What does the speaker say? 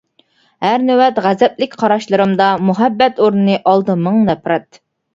ھەر نۆۋەت غەزەپلىك قاراشلىرىمدا، مۇھەببەت ئورنىنى ئالدى مىڭ نەپرەت.